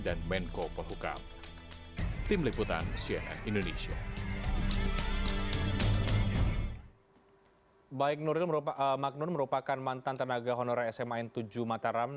dan menko pohukam